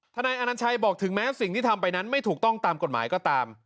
นายอนัญชัยบอกถึงแม้สิ่งที่ทำไปนั้นไม่ถูกต้องตามกฎหมายก็ตาม